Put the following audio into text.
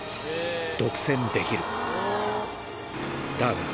独占できる。